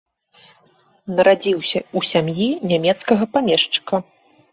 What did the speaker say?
Нарадзіўся ў сям'і нямецкага памешчыка.